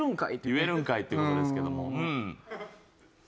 言えるんかいっていう事ですけども。